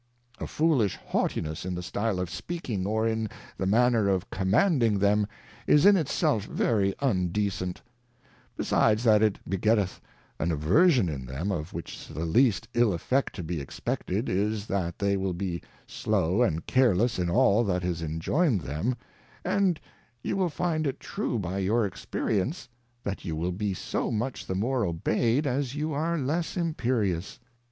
A foolish haughtiness in the Style of speaking, or in the manner of commanding them, is in it self veiy undecent ; besides that it begetteth an Aversion in them, of which the least ill Effect to be expected, is, that they will be slow and careless in all that is injoyned them : And you will find it true by your Experience, that you will be so much the more obeyed as you are less Imperious.